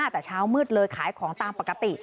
แต่เช้ามืดเลยขายของตามปกติ